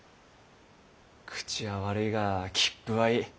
口は悪いが気風はいい。